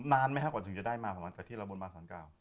นานไหมคะก่อนจะได้มาประมาณจากที่เราบนบางศาลเกล้า